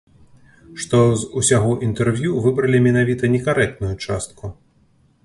Што з усяго інтэрв'ю выбралі менавіта некарэктную частку.